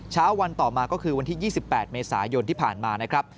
เช้าวันต่อมาก็คือวันที่๒๘เมษายนที่ผ่านมานะครับ